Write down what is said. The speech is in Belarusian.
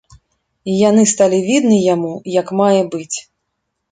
І яны сталі відны яму як мае быць.